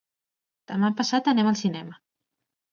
Demà passat anem al cinema.